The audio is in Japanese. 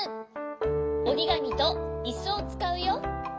おりがみといすをつかうよ。